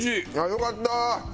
よかった！